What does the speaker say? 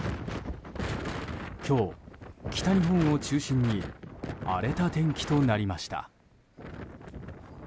今日、北日本を中心に荒れた天気となりました。